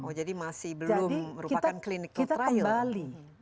oh jadi masih belum merupakan clinical trial